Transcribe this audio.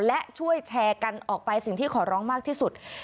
และช่วยแชร์กันออกไปสิ่งที่ขอร้องมากที่สุด